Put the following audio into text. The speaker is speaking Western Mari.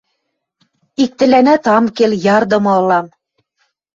Иктӹлӓнӓт ам кел, ярдымы ылам.